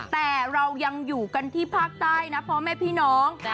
แต่เรายังอยู่กันที่ภาคใต้นะพ่อแม่พี่น้อง